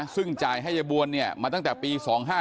ซึ่งจ่ายให้ยายบวนมาตั้งแต่ปี๒๕๕